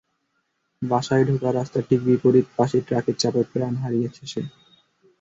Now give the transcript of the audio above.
বাসায় ঢোকার রাস্তার ঠিক বিপরীত পাশেই ট্রাকের চাপায় প্রাণ হারিয়েছে সে।